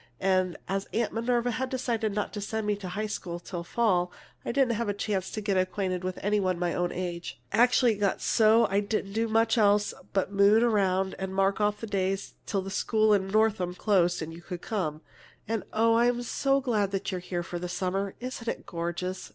And as Aunt Minerva had decided not to send me to high school till fall, I didn't have a chance to get acquainted with any one of my own age. Actually, it got so I didn't do much else but moon around and mark off the days till school in Northam closed and you could come. And, oh, I'm so glad you're here for the summer! Isn't it gorgeous!"